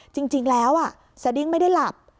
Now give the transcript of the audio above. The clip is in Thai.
จริงแล้วสดิ้งไม่ได้หลับ